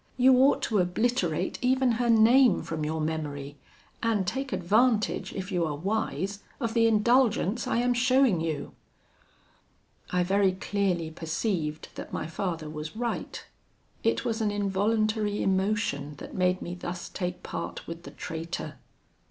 You ought to obliterate even her name from your memory, and take advantage, if you are wise, of the indulgence I am showing you.' "I very clearly perceived that my father was right. It was an involuntary emotion that made me thus take part with the traitor.